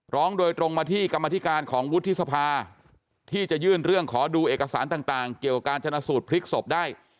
ร้องโดยตรงมาที่กรรมธิการของวุฒิสภาที่จะยื่นเรื่องขอดูเอกสารต่างเกี่ยวกับการชนะสูตรพลิกศพได้